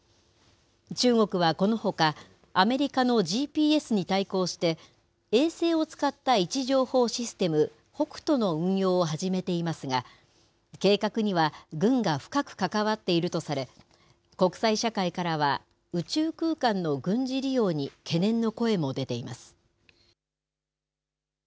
中国はこのほか、アメリカのＧＰＳに対抗して、衛星を使った位置情報システム、北斗の運用を始めていますが、計画には軍が深く関わっているとされ、国際社会からは宇宙空間の軍事利用に懸念の声も出ています。